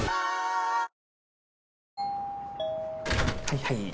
はいはい。